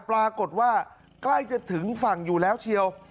ปรากฏว่าใกล้จะถึงฝั่งอยู่แล้วเชียว